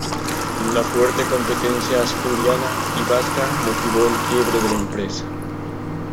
La fuerte competencia asturiana y vasca motivó el quiebre de la empresa.